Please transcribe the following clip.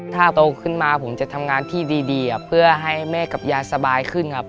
ถ้าโตขึ้นมาผมจะทำงานที่ดีเพื่อให้แม่กับยายสบายขึ้นครับ